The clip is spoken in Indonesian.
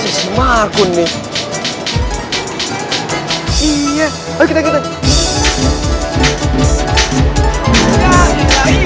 ini nih yang bagus nih ya kan ini ngeliatin nih